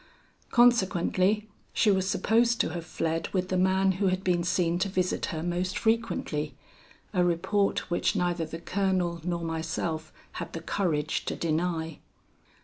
Consequently she was supposed to have fled with the man who had been seen to visit her most frequently; a report which neither the Colonel nor myself had the courage to deny.